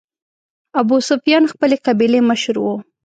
ابوسفیان خپلې قبیلې مشر و.